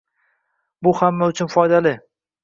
Bu hamma uchun foydali